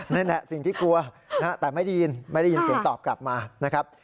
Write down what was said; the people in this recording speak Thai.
นั่นแหละสิ่งที่กลัวแต่ไม่ได้ยินไม่ได้ยินเสียงตอบกลับมานะครับ